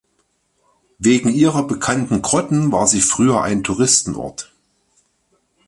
Wegen ihrer bekannten Grotten war sie früher ein Touristenort.